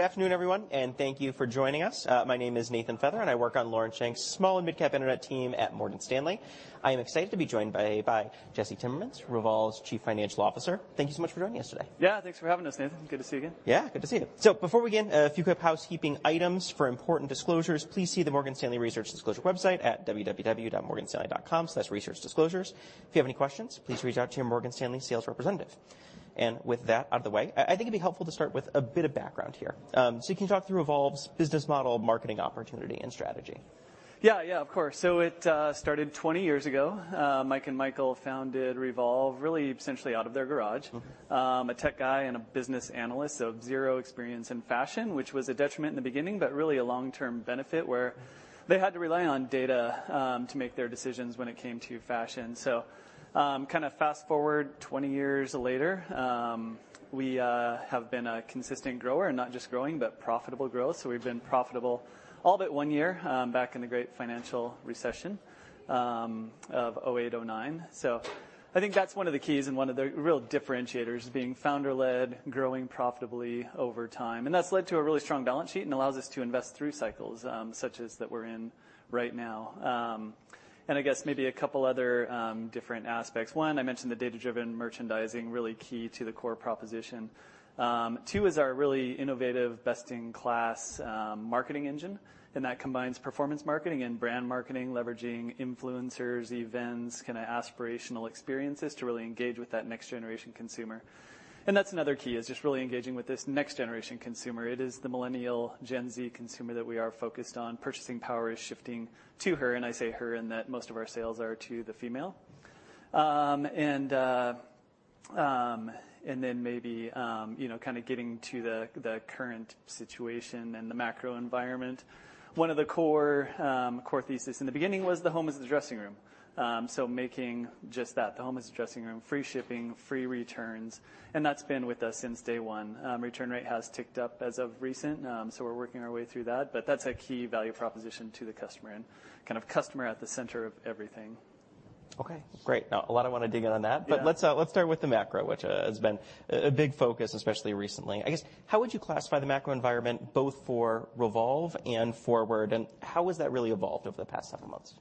Good afternoon, everyone, and thank you for joining us. My name is Nathan Feather, and I work on Lauren Schenk's small- and mid-cap Internet team at Morgan Stanley. I am excited to be joined by Jesse Timmermans, Revolve's Chief Financial Officer. Thank you so much for joining us today. Yeah, thanks for having us, Nathan. Good to see you again. Yeah, good to see you. So before we begin, a few quick housekeeping items. For important disclosures, please see the Morgan Stanley Research Disclosure website at www.morganstanley.com/researchdisclosures. If you have any questions, please reach out to your Morgan Stanley sales representative. With that out of the way, I think it'd be helpful to start with a bit of background here. So can you talk through Revolve's business model, marketing opportunity, and strategy? Yeah, yeah, of course. So it started 20 years ago. Mike and Michael founded Revolve really essentially out of their garage. A tech guy and a business analyst, so 0 experience in fashion, which was a detriment in the beginning, but really a long-term benefit, where they had to rely on data to make their decisions when it came to fashion. So, kind of fast-forward 20 years later, we have been a consistent grower, and not just growing, but profitable growth. So we've been profitable all but 1 year, back in the great financial recession of 2008, 2009. So I think that's one of the keys and one of the real differentiators, being founder-led, growing profitably over time, and that's led to a really strong balance sheet and allows us to invest through cycles, such as that we're in right now. And I guess maybe a couple other different aspects. One, I mentioned the data-driven merchandising, really key to the core proposition. Two is our really innovative, best-in-class marketing engine, and that combines performance marketing and brand marketing, leveraging influencers, events, kind of aspirational experiences to really engage with that next-generation consumer. And that's another key, is just really engaging with this next-generation consumer. It is the Millennial, Gen Z consumer that we are focused on. Purchasing power is shifting to her, and I say her in that most of our sales are to the female. And then maybe, you know, kind of getting to the current situation and the macro environment. One of the core thesis in the beginning was the home is the dressing room, so making just that, the home is the dressing room, free shipping, free returns, and that's been with us since day one. Return rate has ticked up as of recent, so we're working our way through that, but that's a key value proposition to the customer and kind of customer at the center of everything. Okay, great. Now, a lot I wanna dig in on that- Yeah. But let's start with the macro, which has been a big focus, especially recently. I guess, how would you classify the macro environment, both for Revolve and FWRD, and how has that really evolved over the past several months?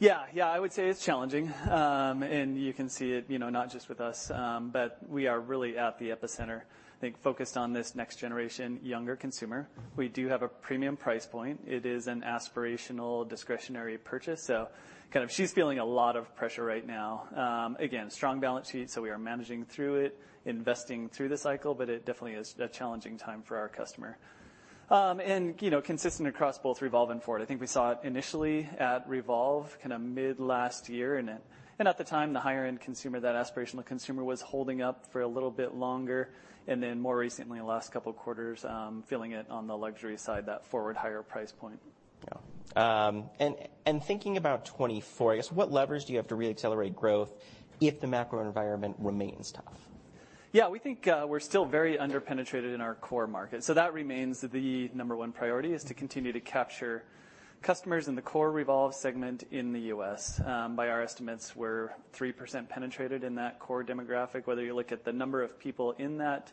Yeah, yeah, I would say it's challenging. And you can see it, you know, not just with us, but we are really at the epicenter, I think, focused on this next-generation, younger consumer. We do have a premium price point. It is an aspirational, discretionary purchase, so kind of she's feeling a lot of pressure right now. Again, strong balance sheet, so we are managing through it, investing through the cycle, but it definitely is a challenging time for our customer. And, you know, consistent across both Revolve and FWRD, I think we saw it initially at Revolve, kind of mid last year, and at the time, the higher-end consumer, that aspirational consumer, was holding up for a little bit longer, and then more recently, the last couple quarters, feeling it on the luxury side, that FWRD higher price point. Yeah. And thinking about 2024, I guess, what levers do you have to reaccelerate growth if the macro environment remains tough? Yeah, we think we're still very under-penetrated in our core market, so that remains the number one priority, is to continue to capture customers in the core Revolve segment in the U.S. By our estimates, we're 3% penetrated in that core demographic, whether you look at the number of people in that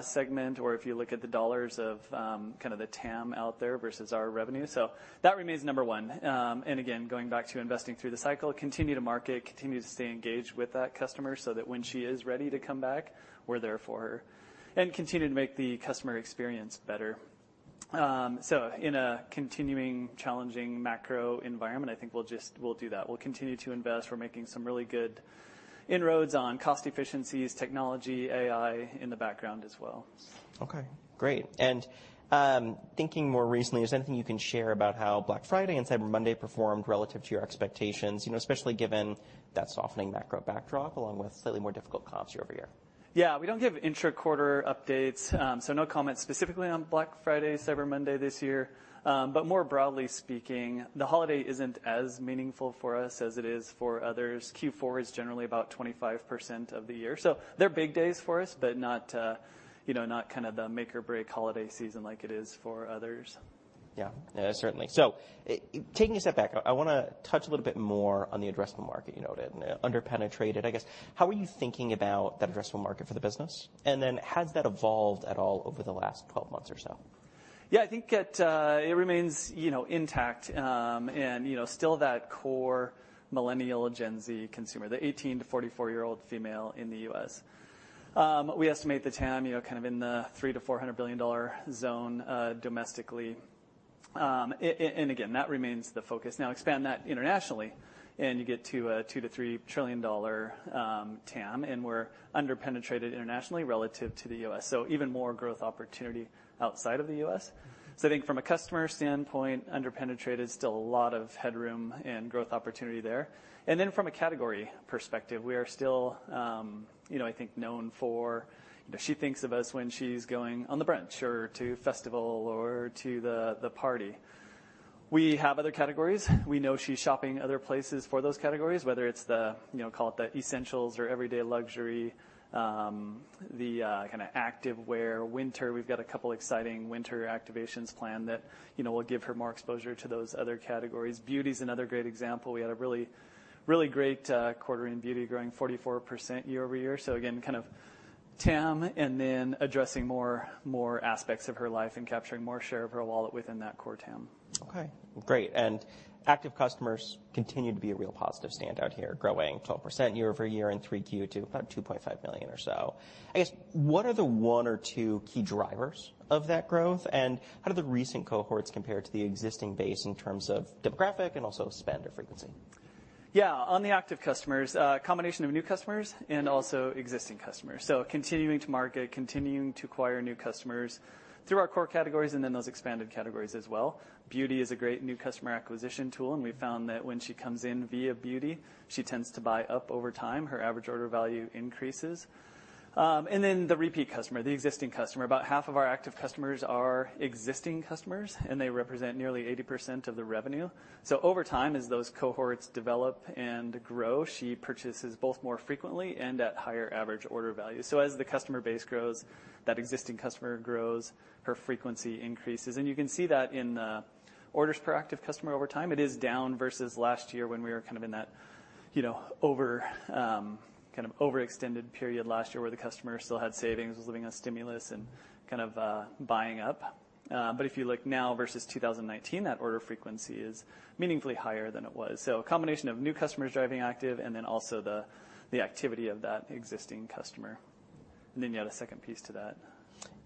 segment, or if you look at the dollars of kind of the TAM out there versus our revenue. So that remains number one. And again, going back to investing through the cycle, continue to market, continue to stay engaged with that customer so that when she is ready to come back, we're there for her, and continue to make the customer experience better. So in a continuing challenging macro environment, I think we'll just- we'll do that. We'll continue to invest. We're making some really good inroads on cost efficiencies, technology, AI in the background as well. Okay, great. And, thinking more recently, is there anything you can share about how Black Friday and Cyber Monday performed relative to your expectations? You know, especially given that softening macro backdrop, along with slightly more difficult comps year-over-year. Yeah, we don't give intra-quarter updates, so no comment specifically on Black Friday, Cyber Monday this year. But more broadly speaking, the holiday isn't as meaningful for us as it is for others. Q4 is generally about 25% of the year, so they're big days for us, but not, you know, not kind of the make or break holiday season like it is for others. Yeah. Yeah, certainly. So taking a step back, I wanna touch a little bit more on the addressable market, you know, the under-penetrated, I guess. How are you thinking about that addressable market for the business? And then has that evolved at all over the last 12 months or so? Yeah, I think it remains, you know, intact, and, you know, still that core Millennial, Gen Z consumer, the 18- to 44-year-old female in the U.S. We estimate the TAM, you know, kind of in the $300 billion-$400 billion zone, domestically. And again, that remains the focus. Now, expand that internationally, and you get to a $2 trillion-$3 trillion TAM, and we're under-penetrated internationally relative to the U.S., so even more growth opportunity outside of the U.S. So I think from a customer standpoint, under-penetrated, still a lot of headroom and growth opportunity there. And then from a category perspective, we are still, you know, I think known for... You know, she thinks of us when she's going on the brunch or to festival or to the party. We have other categories. We know she's shopping other places for those categories, whether it's the, you know, call it the essentials or everyday luxury, the kind of activewear, winter. We've got a couple exciting winter activations planned that, you know, will give her more exposure to those other categories. Beauty is another great example. We had a really, really great quarter in beauty, growing 44% year-over-year. So again, TAM, and then addressing more aspects of her life and capturing more share of her wallet within that core TAM. Okay, great. And active customers continue to be a real positive standout here, growing 12% year-over-year in 3Q to about 2.5 million or so. I guess, what are the one or two key drivers of that growth? And how do the recent cohorts compare to the existing base in terms of demographic and also spend or frequency? Yeah, on the active customers, combination of new customers and also existing customers. So continuing to market, continuing to acquire new customers through our core categories, and then those expanded categories as well. Beauty is a great new customer acquisition tool, and we've found that when she comes in via beauty, she tends to buy up over time, her average order value increases. And then the repeat customer, the existing customer. About half of our active customers are existing customers, and they represent nearly 80% of the revenue. So over time, as those cohorts develop and grow, she purchases both more frequently and at higher average order value. So as the customer base grows, that existing customer grows, her frequency increases, and you can see that in the orders per active customer over time. It is down versus last year when we were kind of in that, you know, over, kind of overextended period last year, where the customer still had savings, was living on stimulus and kind of buying up. But if you look now versus 2019, that order frequency is meaningfully higher than it was. So a combination of new customers driving active and then also the activity of that existing customer. And then you had a second piece to that.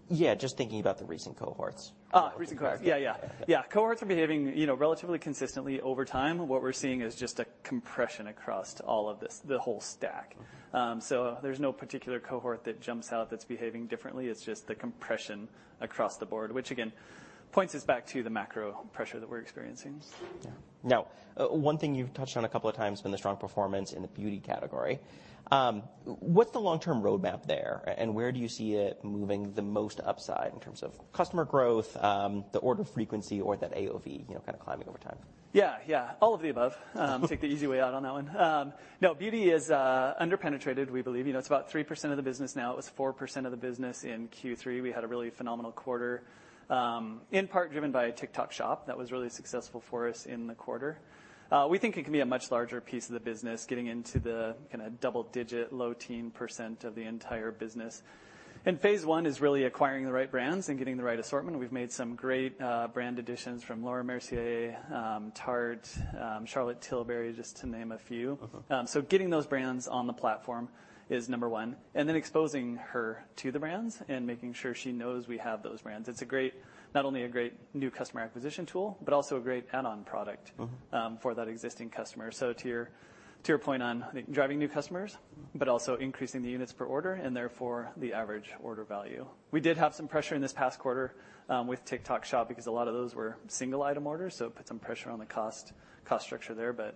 Yeah, just thinking about the recent cohorts. Ah, recent cohorts. Yeah. Yeah. Yeah, cohorts are behaving, you know, relatively consistently over time. What we're seeing is just a compression across all of this, the whole stack. So there's no particular cohort that jumps out that's behaving differently. It's just the compression across the board, which, again, points us back to the macro pressure that we're experiencing. Yeah. Now, one thing you've touched on a couple of times been the strong performance in the beauty category. What's the long-term roadmap there, and where do you see it moving the most upside in terms of customer growth, the order frequency, or that AOV, you know, kind of climbing over time? Yeah, yeah, all of the above. Take the easy way out on that one. No, beauty is underpenetrated, we believe. You know, it's about 3% of the business now. It was 4% of the business in Q3. We had a really phenomenal quarter, in part driven by a TikTok Shop that was really successful for us in the quarter. We think it can be a much larger piece of the business, getting into the kinda double-digit, low-teen percent of the entire business. And phase one is really acquiring the right brands and getting the right assortment. We've made some great, brand additions from Laura Mercier, Tarte, Charlotte Tilbury, just to name a few. Mm-hmm. So getting those brands on the platform is number one, and then exposing her to the brands and making sure she knows we have those brands. It's a great—not only a great new customer acquisition tool, but also a great add-on product- Mm-hmm... for that existing customer. So to your, to your point on driving new customers, but also increasing the units per order and therefore the average order value. We did have some pressure in this past quarter with TikTok Shop, because a lot of those were single item orders, so it put some pressure on the cost structure there, but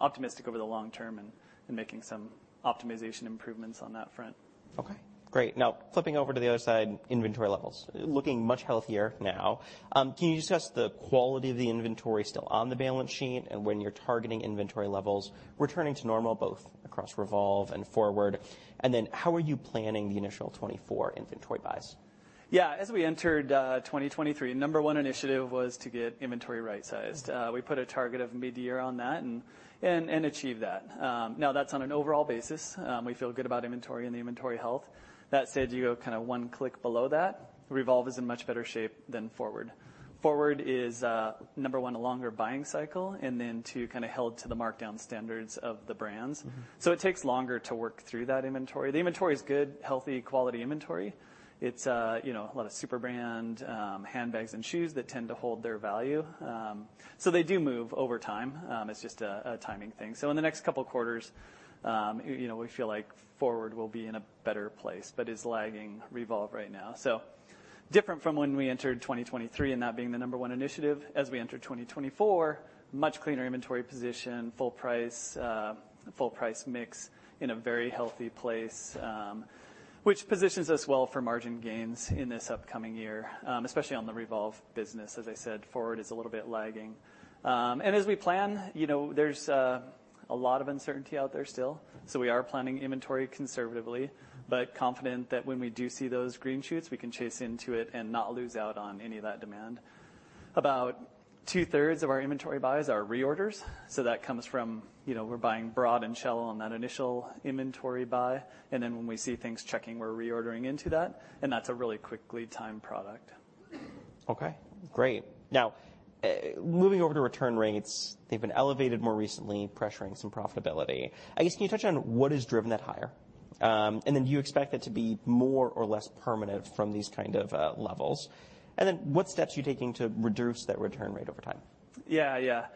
optimistic over the long term and making some optimization improvements on that front. Okay, great. Now, flipping over to the other side, inventory levels. Looking much healthier now. Can you discuss the quality of the inventory still on the balance sheet and when you're targeting inventory levels, returning to normal, both across Revolve and FWRD? And then how are you planning the initial 24 inventory buys? Yeah. As we entered 2023, number one initiative was to get inventory right-sized. We put a target of mid-year on that and achieved that. Now that's on an overall basis. We feel good about inventory and the inventory health. That said, you go kinda one click below that, Revolve is in much better shape than FWRD. FWRD is number one, a longer buying cycle, and then two, kinda held to the markdown standards of the brands. Mm-hmm. So it takes longer to work through that inventory. The inventory is good, healthy, quality inventory. It's, you know, a lot of super brand handbags and shoes that tend to hold their value. So they do move over time. It's just a timing thing. So in the next couple of quarters, you know, we feel like FWRD will be in a better place but is lagging Revolve right now. So different from when we entered 2023, and that being the number one initiative. As we enter 2024, much cleaner inventory position, full price, full price mix in a very healthy place, which positions us well for margin gains in this upcoming year, especially on the Revolve business. As I said, FWRD is a little bit lagging. As we plan, you know, there's a lot of uncertainty out there still, so we are planning inventory conservatively, but confident that when we do see those green shoots, we can chase into it and not lose out on any of that demand. About two-thirds of our inventory buys are reorders, so that comes from... You know, we're buying broad and shallow on that initial inventory buy, and then when we see things checking, we're reordering into that, and that's a really quickly time product. Okay, great. Now, moving over to return rates, they've been elevated more recently, pressuring some profitability. I guess, can you touch on what has driven that higher? And then do you expect it to be more or less permanent from these kind of levels? And then what steps are you taking to reduce that return rate over time? Yeah, yeah.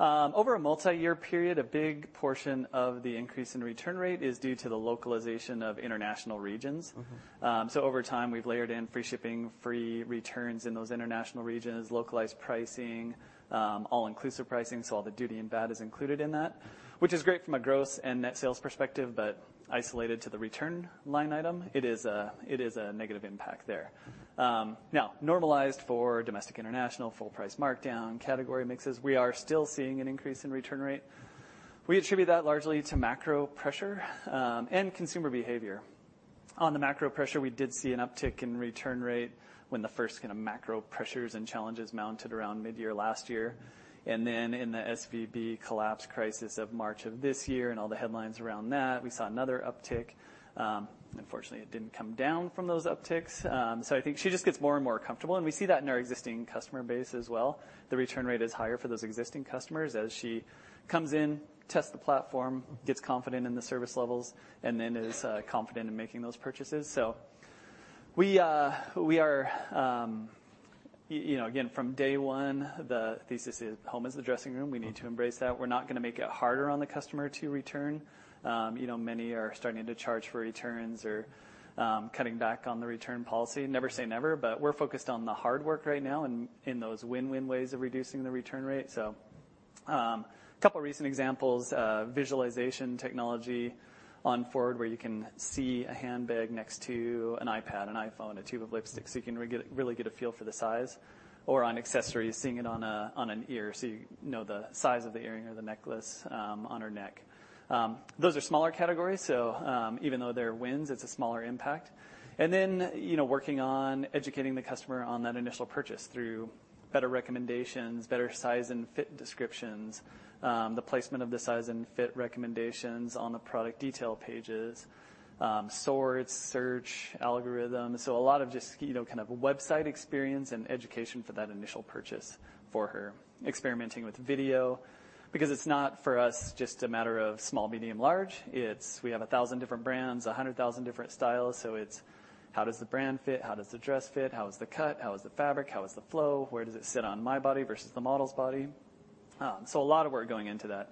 Over a multiyear period, a big portion of the increase in return rate is due to the localization of international regions. Mm-hmm. So over time, we've layered in free shipping, free returns in those international regions, localized pricing, all-inclusive pricing, so all the duty and VAT is included in that, which is great from a gross and net sales perspective, but isolated to the return line item, it is a negative impact there. Now, normalized for domestic, international, full price markdown, category mixes, we are still seeing an increase in return rate. We attribute that largely to macro pressure and consumer behavior. On the macro pressure, we did see an uptick in return rate when the first kind of macro pressures and challenges mounted around mid-year last year. And then in the SVB collapse crisis of March of this year, and all the headlines around that, we saw another uptick. Unfortunately, it didn't come down from those upticks. So I think she just gets more and more comfortable, and we see that in our existing customer base as well. The return rate is higher for those existing customers as she comes in, tests the platform, gets confident in the service levels, and then is confident in making those purchases. So we, we are, you know, again, from day one, the thesis is home is the dressing room. We need to embrace that. We're not gonna make it harder on the customer to return. You know, many are starting to charge for returns or cutting back on the return policy. Never say never, but we're focused on the hard work right now and in those win-win ways of reducing the return rate. So, a couple recent examples, visualization technology on FWRD, where you can see a handbag next to an iPad, an iPhone, a tube of lipstick, so you can really get a feel for the size or on accessories, seeing it on an ear, so you know the size of the earring or the necklace on her neck. Those are smaller categories, so even though they're wins, it's a smaller impact. And then, you know, working on educating the customer on that initial purchase through better recommendations, better size and fit descriptions, the placement of the size and fit recommendations on the product detail pages, sorts, search algorithm. So a lot of just, you know, kind of website experience and education for that initial purchase for her. Experimenting with video, because it's not, for us, just a matter of small, medium, large, it's... We have 1,000 different brands, 100,000 different styles, so it's how does the brand fit, how does the dress fit, how is the cut, how is the fabric, how is the flow, where does it sit on my body versus the model's body? So a lot of work going into that.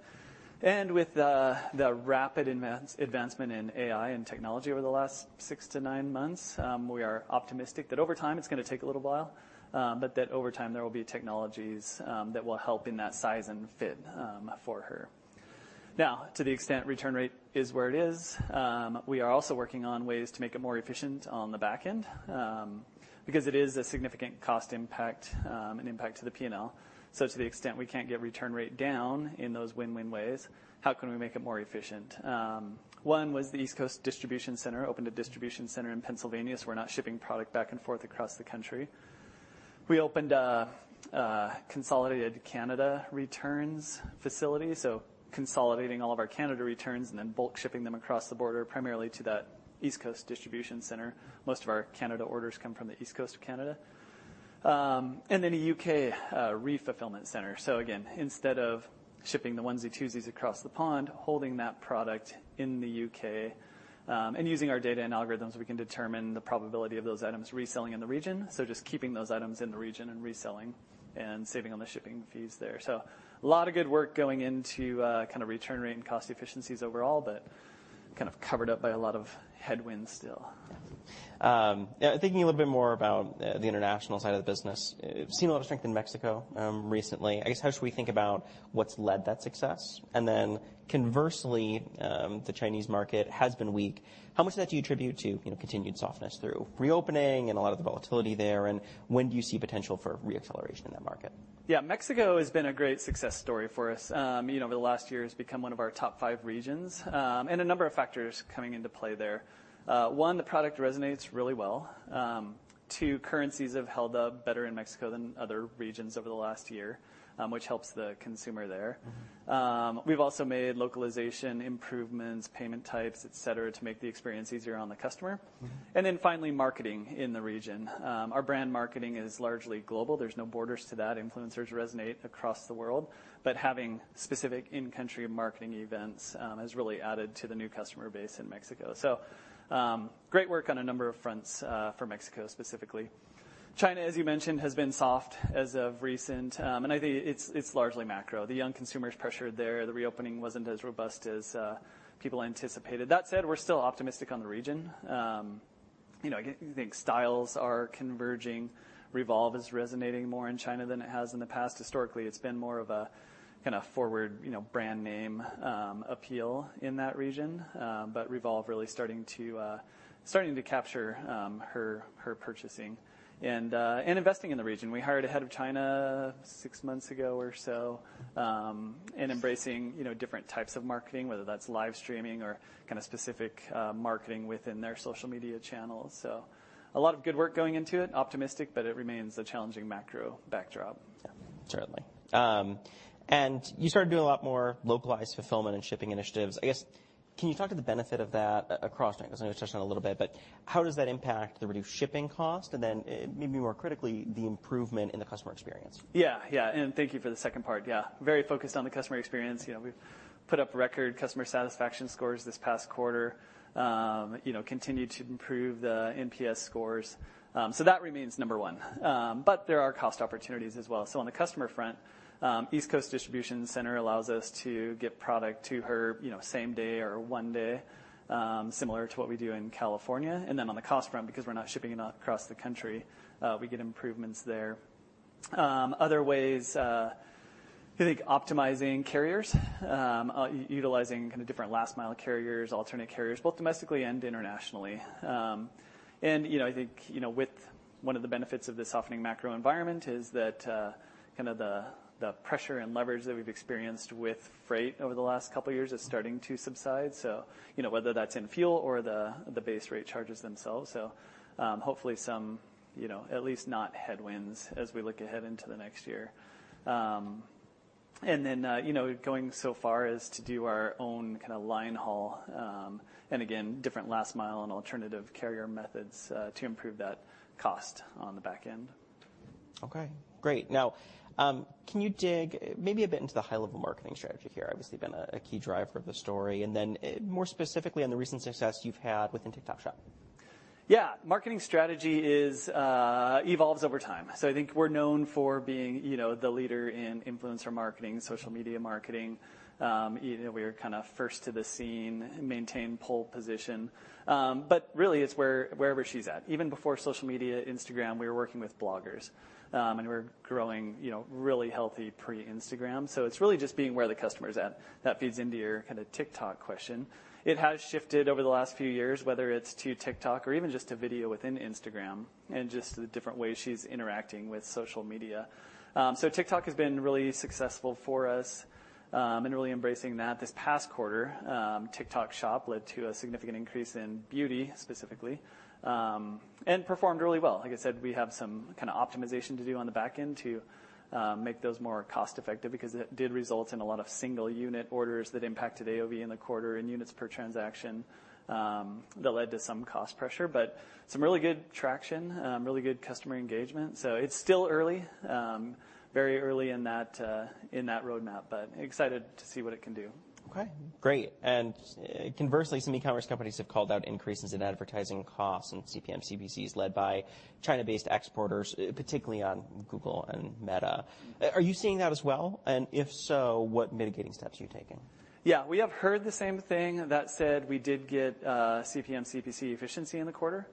And with the rapid advancement in AI and technology over the last 6-9 months, we are optimistic that over time, it's gonna take a little while, but that over time, there will be technologies that will help in that size and fit for her. Now, to the extent return rate is where it is, we are also working on ways to make it more efficient on the back end, because it is a significant cost impact, and impact to the P&L. So to the extent we can't get return rate down in those win-win ways, how can we make it more efficient? One was the East Coast distribution center, opened a distribution center in Pennsylvania, so we're not shipping product back and forth across the country. We opened a consolidated Canada returns facility, so consolidating all of our Canada returns and then bulk shipping them across the border, primarily to that East Coast distribution center. Most of our Canada orders come from the East Coast of Canada. And then a U.K. re-fulfillment center. So again, instead of shipping the onesie-twosies across the pond, holding that product in the UK, and using our data and algorithms, we can determine the probability of those items reselling in the region. So just keeping those items in the region and reselling and saving on the shipping fees there. So a lot of good work going into, kind of return rate and cost efficiencies overall, but kind of covered up by a lot of headwinds still. Yeah, thinking a little bit more about the international side of the business. We've seen a lot of strength in Mexico recently. I guess, how should we think about what's led that success? And then conversely, the Chinese market has been weak. How much of that do you attribute to, you know, continued softness through reopening and a lot of the volatility there, and when do you see potential for re-acceleration in that market? Yeah. Mexico has been a great success story for us. You know, over the last year, it's become one of our top five regions, and a number of factors coming into play there. One, the product resonates really well. Two, currencies have held up better in Mexico than other regions over the last year, which helps the consumer there. We've also made localization improvements, payment types, et cetera, to make the experience easier on the customer. Mm-hmm. Finally, marketing in the region. Our brand marketing is largely global. There's no borders to that. Influencers resonate across the world, but having specific in-country marketing events has really added to the new customer base in Mexico. So, great work on a number of fronts for Mexico, specifically. China, as you mentioned, has been soft as of recent, and I think it's largely macro. The young consumers pressure there, the reopening wasn't as robust as people anticipated. That said, we're still optimistic on the region. You know, I think styles are converging. Revolve is resonating more in China than it has in the past. Historically, it's been more of a kind of FWRD, you know, brand name appeal in that region. But Revolve really starting to starting to capture her her purchasing and and investing in the region. We hired a head of China six months ago or so, and embracing, you know, different types of marketing, whether that's live streaming or kind of specific marketing within their social media channels. So a lot of good work going into it. Optimistic, but it remains a challenging macro backdrop. Yeah, certainly. And you started doing a lot more localized fulfillment and shipping initiatives. I guess, can you talk to the benefit of that across... I know you touched on it a little bit, but how does that impact the reduced shipping cost and then, maybe more critically, the improvement in the customer experience? Yeah, yeah, and thank you for the second part. Yeah. Very focused on the customer experience. You know, we've put up record customer satisfaction scores this past quarter, you know, continued to improve the NPS scores. So that remains number one. But there are cost opportunities as well. So on the customer front, East Coast distribution center allows us to get product to her, you know, same day or one day, similar to what we do in California. And then on the cost front, because we're not shipping it across the country, we get improvements there. Other ways, I think optimizing carriers, utilizing kind of different last-mile carriers, alternate carriers, both domestically and internationally... You know, I think you know, with one of the benefits of this softening macro environment is that kind of the pressure and leverage that we've experienced with freight over the last couple of years is starting to subside. So, you know, whether that's in fuel or the base rate charges themselves. So, hopefully some you know, at least not headwinds as we look ahead into the next year. And then, you know, going so far as to do our own kind of line haul and again, different last mile and alternative carrier methods to improve that cost on the back end. Okay, great. Now, can you dig maybe a bit into the high-level marketing strategy here? Obviously, been a key driver of the story, and then, more specifically, on the recent success you've had within TikTok Shop. Yeah. Marketing strategy is evolves over time. So I think we're known for being, you know, the leader in influencer marketing, social media marketing. You know, we are kind of first to the scene, maintain pole position. But really, it's wherever she's at. Even before social media, Instagram, we were working with bloggers. And we're growing, you know, really healthy pre-Instagram. So it's really just being where the customer is at. That feeds into your kind of TikTok question. It has shifted over the last few years, whether it's to TikTok or even just to video within Instagram and just the different ways she's interacting with social media. So TikTok has been really successful for us, and really embracing that this past quarter. TikTok Shop led to a significant increase in beauty, specifically, and performed really well. Like I said, we have some kind of optimization to do on the back end to make those more cost-effective because it did result in a lot of single-unit orders that impacted AOV in the quarter, and units per transaction, that led to some cost pressure. But some really good traction, really good customer engagement. So it's still early, very early in that, in that roadmap, but excited to see what it can do. Okay, great. And conversely, some e-commerce companies have called out increases in advertising costs and CPM, CPCs, led by China-based exporters, particularly on Google and Meta. Are you seeing that as well? And if so, what mitigating steps are you taking? Yeah, we have heard the same thing. That said, we did get CPM, CPC efficiency in the quarter.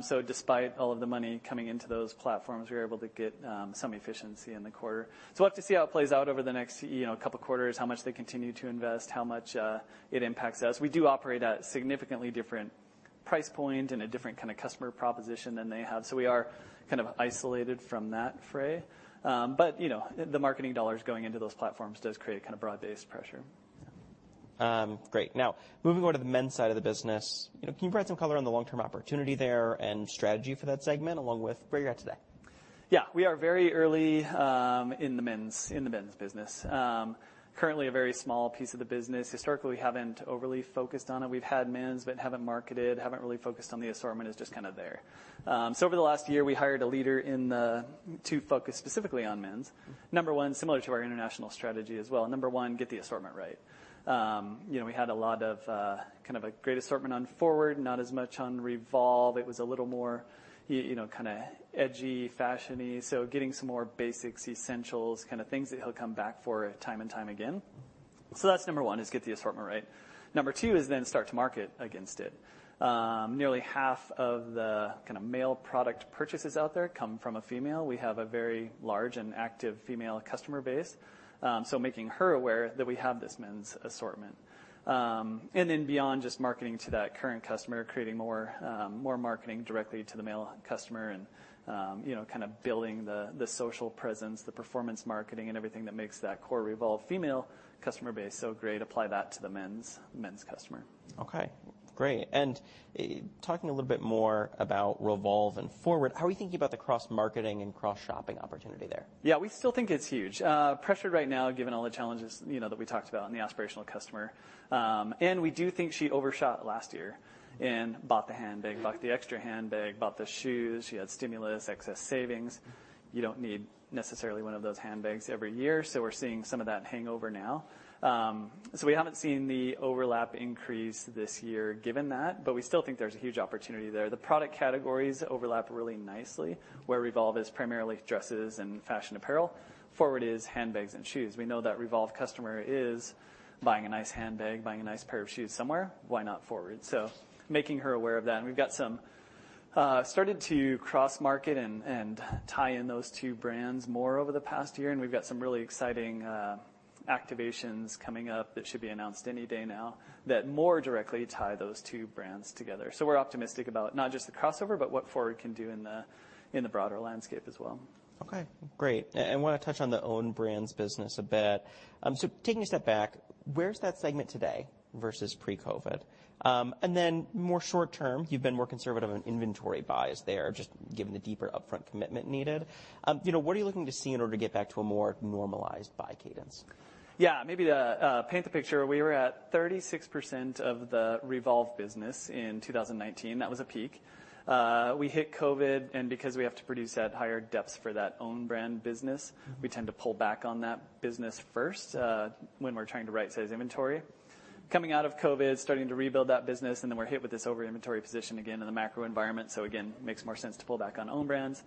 So despite all of the money coming into those platforms, we were able to get some efficiency in the quarter. So we'll have to see how it plays out over the next, you know, couple quarters, how much they continue to invest, how much it impacts us. We do operate at a significantly different price point and a different kind of customer proposition than they have, so we are kind of isolated from that fray. But, you know, the marketing dollars going into those platforms does create a kind of broad-based pressure. Great. Now, moving on to the men's side of the business, you know, can you provide some color on the long-term opportunity there and strategy for that segment, along with where you're at today? Yeah. We are very early in the men's business. Currently a very small piece of the business. Historically, we haven't overly focused on it. We've had men's but haven't marketed, haven't really focused on the assortment, it's just kind of there. So over the last year, we hired a leader to focus specifically on men's. Number one, similar to our international strategy as well, number one, get the assortment right. You know, we had a lot of kind of a great assortment on FWRD, not as much on Revolve. It was a little more, you know, kinda edgy, fashiony, so getting some more basics, essentials, kind of things that he'll come back for time and time again. So that's number one, is get the assortment right. Number two is then start to market against it. Nearly half of the kind of male product purchases out there come from a female. We have a very large and active female customer base, so making her aware that we have this men's assortment. And then beyond just marketing to that current customer, creating more marketing directly to the male customer and, you know, kind of building the social presence, the performance marketing, and everything that makes that core Revolve female customer base so great, apply that to the men's customer. Okay, great. And, talking a little bit more about Revolve and FWRD, how are you thinking about the cross-marketing and cross-shopping opportunity there? Yeah, we still think it's huge. Pressured right now, given all the challenges, you know, that we talked about on the aspirational customer. And we do think she overshot last year and bought the handbag, bought the extra handbag, bought the shoes. She had stimulus, excess savings. You don't need necessarily one of those handbags every year, so we're seeing some of that hangover now. So we haven't seen the overlap increase this year given that, but we still think there's a huge opportunity there. The product categories overlap really nicely, where Revolve is primarily dresses and fashion apparel, FWRD is handbags and shoes. We know that Revolve customer is buying a nice handbag, buying a nice pair of shoes somewhere. Why not FWRD? So making her aware of that, and we've got some... Started to cross-market and tie in those two brands more over the past year, and we've got some really exciting activations coming up that should be announced any day now, that more directly tie those two brands together. So we're optimistic about not just the crossover, but what FWRD can do in the broader landscape as well. Okay, great. I wanna touch on the own brands business a bit. Taking a step back, where's that segment today versus pre-COVID? And then more short term, you've been more conservative on inventory buys there, just given the deeper upfront commitment needed. You know, what are you looking to see in order to get back to a more normalized buy cadence? Yeah, maybe to paint the picture, we were at 36% of the Revolve business in 2019. That was a peak. We hit COVID, and because we have to produce at higher depths for that own brands business, we tend to pull back on that business first when we're trying to right-size inventory. Coming out of COVID, starting to rebuild that business, and then we're hit with this over-inventory position again in the macro environment. So again, makes more sense to pull back on own brands,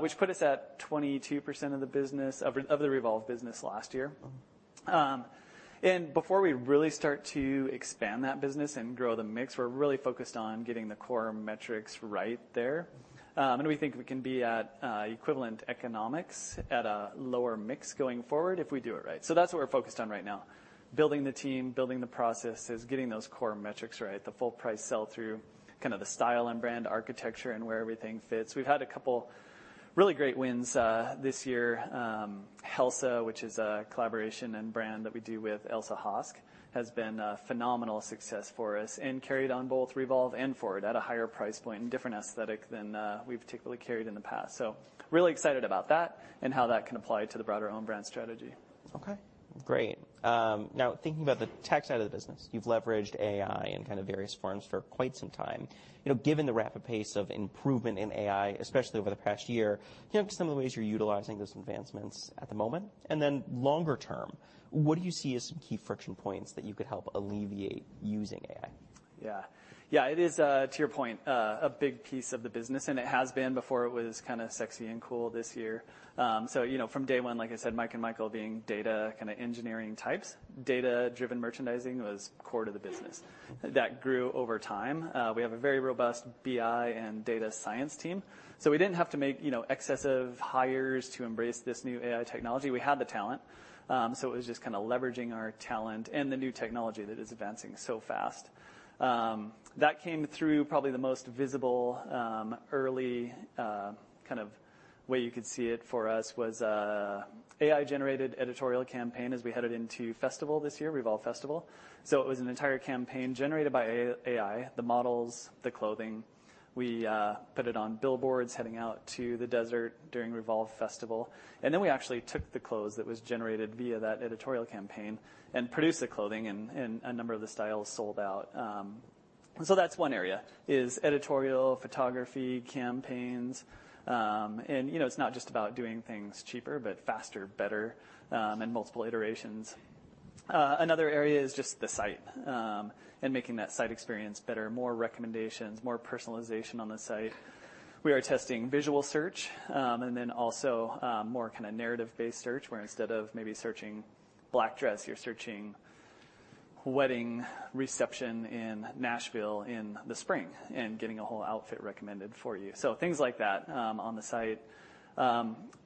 which put us at 22% of the business, of the Revolve business last year. And before we really start to expand that business and grow the mix, we're really focused on getting the core metrics right there. We think we can be at equivalent economics at a lower mix going forward if we do it right. So that's what we're focused on right now, building the team, building the processes, getting those core metrics right, the full price sell-through, kind of the style and brand architecture, and where everything fits. We've had a couple really great wins this year. Helsa, which is a collaboration and brand that we do with Elsa Hosk, has been a phenomenal success for us, and carried on both Revolve and FWRD at a higher price point and different aesthetic than we've particularly carried in the past. So really excited about that and how that can apply to the broader own brand strategy. Okay, great. Now, thinking about the tech side of the business, you've leveraged AI in kind of various forms for quite some time. You know, given the rapid pace of improvement in AI, especially over the past year, can you talk some of the ways you're utilizing those advancements at the moment? And then longer term, what do you see as some key friction points that you could help alleviate using AI? Yeah. Yeah, it is, to your point, a big piece of the business, and it has been before it was kind of sexy and cool this year. So, you know, from day one, like I said, Mike and Michael being data kind of engineering types, data-driven merchandising was core to the business. That grew over time. We have a very robust BI and data science team, so we didn't have to make, you know, excessive hires to embrace this new AI technology. We had the talent. So it was just kind of leveraging our talent and the new technology that is advancing so fast. That came through probably the most visible, early, kind of way you could see it for us, was, AI-generated editorial campaign as we headed into festival this year, Revolve Festival. So it was an entire campaign generated by AI, the models, the clothing. We put it on billboards heading out to the desert during Revolve Festival, and then we actually took the clothes that was generated via that editorial campaign and produced the clothing, and a number of the styles sold out. So that's one area, is editorial, photography, campaigns. And you know, it's not just about doing things cheaper, but faster, better, and multiple iterations. Another area is just the site and making that site experience better, more recommendations, more personalization on the site. We are testing visual search and then also more kind of narrative-based search, where instead of maybe searching black dress, you're searching wedding reception in Nashville in the spring and getting a whole outfit recommended for you. So things like that on the site.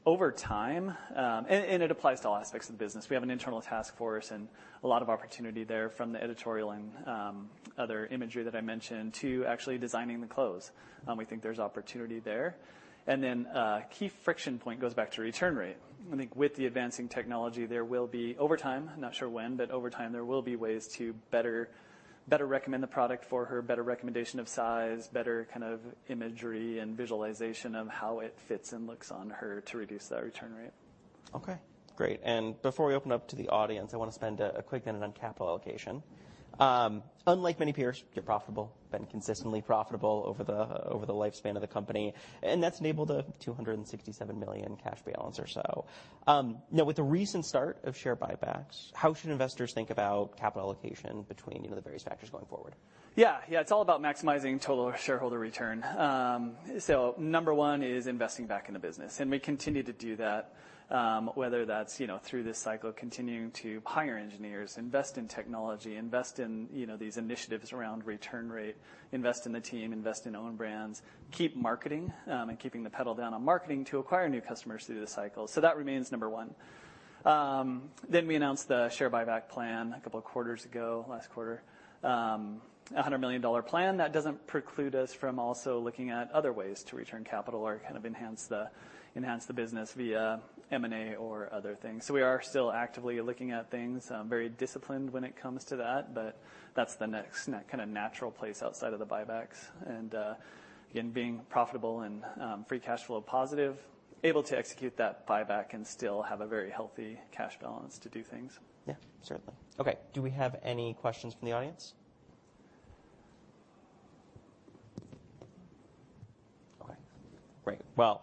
Over time, and it applies to all aspects of the business. We have an internal task force and a lot of opportunity there from the editorial and other imagery that I mentioned, to actually designing the clothes. We think there's opportunity there. And then, key friction point goes back to return rate. I think with the advancing technology, there will be, over time, not sure when, but over time, there will be ways to better recommend the product for her, better recommendation of size, better kind of imagery and visualization of how it fits and looks on her to reduce that return rate. Okay, great. Before we open up to the audience, I wanna spend a quick minute on capital allocation. Unlike many peers, you're profitable, been consistently profitable over the lifespan of the company, and that's enabled a $267 million cash balance or so. Now, with the recent start of share buybacks, how should investors think about capital allocation between, you know, the various factors going forward? Yeah, yeah, it's all about maximizing total shareholder return. So number one is investing back in the business, and we continue to do that, whether that's, you know, through this cycle, continuing to hire engineers, invest in technology, invest in, you know, these initiatives around return rate, invest in the team, invest in own brands, keep marketing, and keeping the pedal down on marketing to acquire new customers through the cycle, so that remains number one. Then we announced the share buyback plan a couple of quarters ago, last quarter. A $100 million plan, that doesn't preclude us from also looking at other ways to return capital or kind of enhance the, enhance the business via M&A or other things. So we are still actively looking at things, very disciplined when it comes to that, but that's the next kind of natural place outside of the buybacks. And, again, being profitable and, free cash flow positive, able to execute that buyback and still have a very healthy cash balance to do things. Yeah, certainly. Okay, do we have any questions from the audience? Okay, great. Well,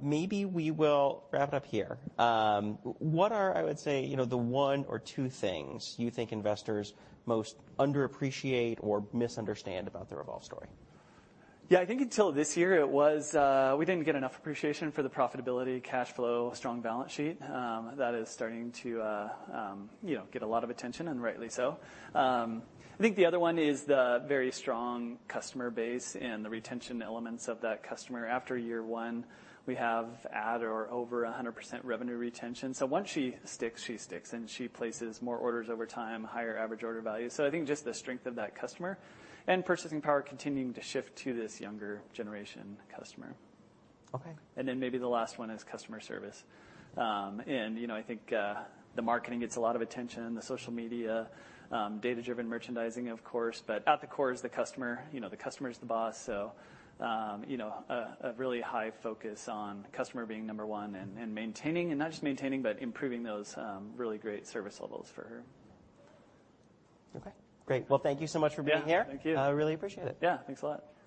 maybe we will wrap it up here. What are, I would say, you know, the one or two things you think investors most underappreciate or misunderstand about the Revolve story? Yeah, I think until this year, it was. We didn't get enough appreciation for the profitability, cash flow, strong balance sheet. That is starting to, you know, get a lot of attention, and rightly so. I think the other one is the very strong customer base and the retention elements of that customer. After year one, we have at or over 100% revenue retention. So once she sticks, she sticks, and she places more orders over time, higher average order value. So I think just the strength of that customer and purchasing power continuing to shift to this younger generation customer. Okay. And then maybe the last one is customer service. You know, I think the marketing gets a lot of attention, the social media, data-driven merchandising, of course, but at the core is the customer. You know, the customer is the boss, so you know, a really high focus on customer being number one and maintaining... and not just maintaining, but improving those really great service levels for her. Okay, great. Well, thank you so much for being here. Yeah, thank you. I really appreciate it. Yeah, thanks a lot.